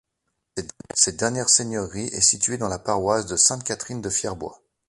Cette dernière seigneurie est située dans la paroisse de Sainte-Catherine-de-Fierbois.